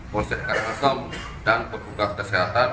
poset karangasem dan peguam kesehatan